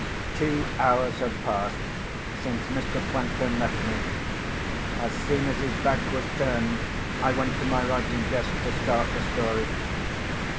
Two hours have passed since Mr. Franklin left me. As soon as his back was turned, I went to my writing desk to start the story.